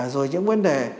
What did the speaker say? rồi những vấn đề